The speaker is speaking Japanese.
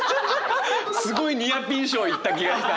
すごいニアピン賞いった気がした。